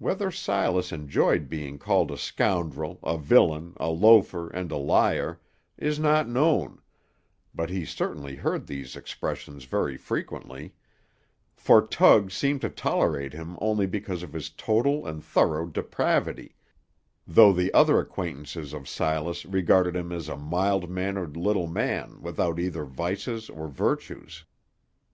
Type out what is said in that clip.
Whether Silas enjoyed being called a scoundrel, a villain, a loafer, and a liar, is not known, but he certainly heard these expressions very frequently; for Tug seemed to tolerate him only because of his total and thorough depravity, though the other acquaintances of Silas regarded him as a mild mannered little man without either vices or virtues.